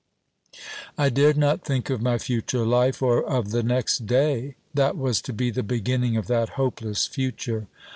I dared not think of my future life; or of the next day, that was to be the beginning of that hopeless future.